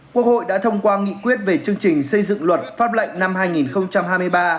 quốc hội đã thông qua nghị quyết về chương trình xây dựng luật pháp lệnh năm hai nghìn hai mươi ba